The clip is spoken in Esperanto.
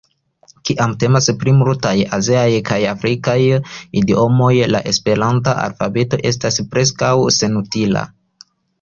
Kiam temas pri multaj aziaj kaj afrikaj idiomoj la esperanta alfabeto estas preskaŭ senutila.